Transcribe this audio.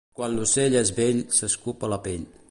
Quan l'ocell és vell s'escup a la pell.